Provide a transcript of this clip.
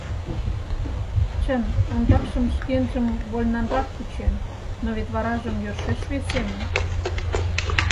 Чын, ондакшым шкенжым вольнанрак кучен, но вет варажым йӧршеш весемын.